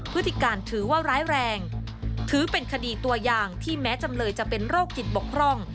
พฤติการถือว่าร้ายแรงถือเป็นคดีตัวอย่างที่แม้จำเลยจะเป็นโรคจิตบกพร่อง